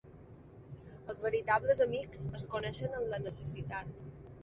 Els veritables amics es coneixen en la necessitat.